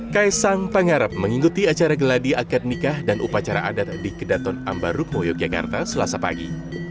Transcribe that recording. kaisang pangarap mengikuti acara geladi akad nikah dan upacara adat di kedaton ambaruk moyo kekarta selasa pagi